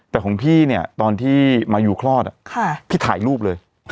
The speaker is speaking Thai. แต่ของพี่เนี่ยตอนที่มายูคลอดพี่ถ่ายรูปเลย